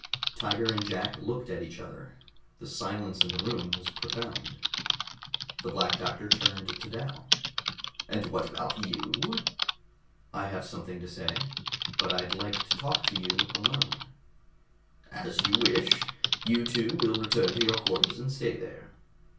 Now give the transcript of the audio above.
Tiger and Jack looked at each other. The silence in the room was profound. The Black Doctor turned to Dal. "And what about you?" "I have something to say, but I'd like to talk to you alone." "As you wish. You two will return to your quarters and stay there."